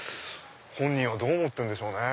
本人はどう思ってるでしょうね。